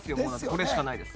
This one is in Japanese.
これしかないです。